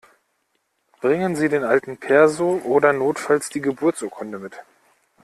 Bringen Sie den alten Perso oder notfalls die Geburtsurkunde mit!